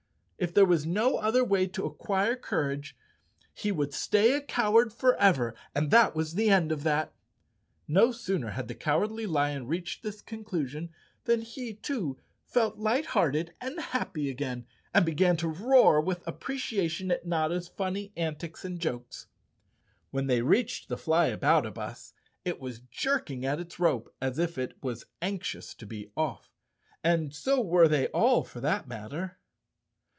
If there was no other way to acquire courage, he would stay a coward forever and that was the end of that! No sooner had the Cowardly Lion reached this conclusion, than he, too, felt light¬ hearted and happy again and began to roar with ap¬ preciation at Notta's funny antics and jokes. When they reached the Flyaboutabus, it was jerking at its rope as if it was anxious to be off, and so were they all for that matter.